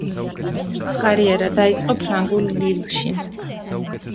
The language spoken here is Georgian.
კარიერა დაიწყო ფრანგულ „ლილში“.